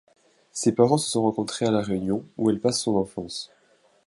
Ses parents se sont rencontrés à La Réunion, où elle passe son enfance.